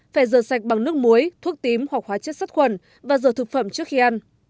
phải dờ sạch bằng nước muối thuốc tím hoặc hóa chất sắt khuẩn và dờ thực phẩm trước khi ăn